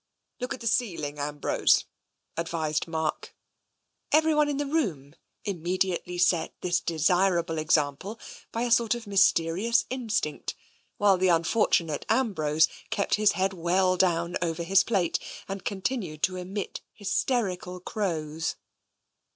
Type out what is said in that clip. " Look at the ceiling, Ambrose," advised Mark. Everyone in the room immediately set this desirable example by a sort of mysterious instinct, while the un fortunate Ambrose kept his head well down over his plate and continued to emit hysterical crows.